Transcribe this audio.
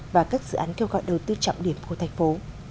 và các dự án kêu gọi đầu tư trọng điểm của thành phố